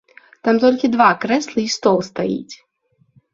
Там толькі два крэслы й стол стаіць.